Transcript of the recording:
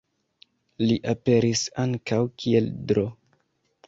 Li aperis ankaŭ kiel Dro.